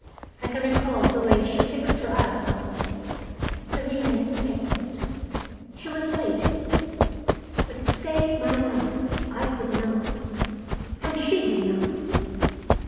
I can recall the way she fixed her eyes on me, serene and expectant. She was waiting. But to save my life I could not. And she did not.